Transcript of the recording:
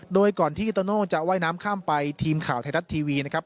โดยก่อนที่อิโตโน่จะว่ายน้ำข้ามไปทีมข่าวไทยรัฐทีวีนะครับ